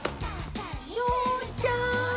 翔ちゃん！